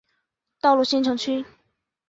道路新城。